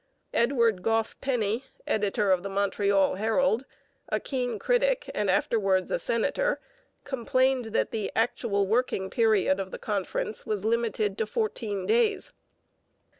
Edward Goff Penny, editor of the Montreal Herald, a keen critic, and afterwards a senator, complained that the actual working period of the conference was limited to fourteen days.